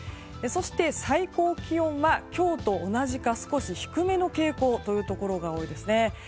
そして、最高気温は今日と同じか、少し低めの傾向というところが多いですね。